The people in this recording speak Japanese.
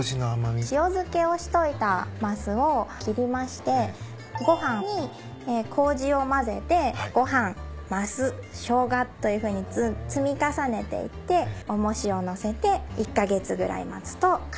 塩漬けをしといたマスを切りましてご飯にこうじを混ぜてご飯マスショウガというふうに積み重ねていって重しを載せて１カ月ぐらい待つと完成します。